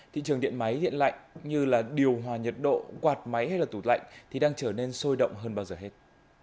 thị trường điện máy hiện lạnh như là điều hòa nhiệt độ quạt máy hay là tủ lạnh thì đang trở nên sôi động hơn bao giờ hết